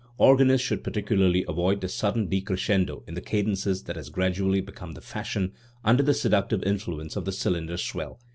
Organists should particularly avoid the sudden de crescendo in the cadences that has gradually become the fashion under the seductive influence of the cylinder swell.